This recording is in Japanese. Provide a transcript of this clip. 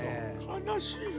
かなしい。